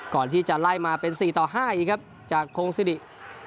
ก่อนที่จะไล่มาเป็น๔ต่อ๕อีกครับจากโคงซิริ